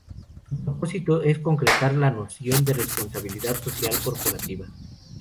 Su propósito es concretar la noción de responsabilidad social corporativa.